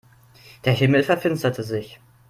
Der Himmel verfinsterte sich.